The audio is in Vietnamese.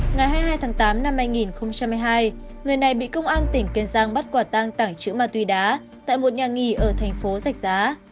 ngày hai mươi hai tháng tám năm hai nghìn hai mươi hai người này bị công an tỉnh kiên giang bắt quả tang tảng chữ ma túy đá tại một nhà nghỉ ở thành phố giạch giá